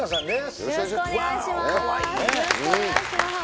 よろしくお願いします